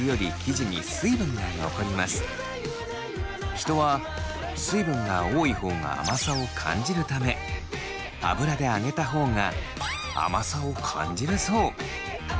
人は水分が多い方が甘さを感じるため油で揚げた方が甘さを感じるそう。